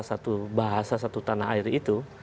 satu bahasa satu tanah air itu